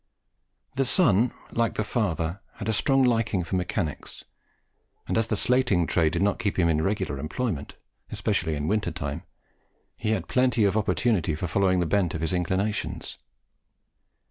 The son, like the father, had a strong liking for mechanics, and as the slating trade did not keep him in regular employment, especially in winter time, he had plenty of opportunity for following the bent of his inclinations.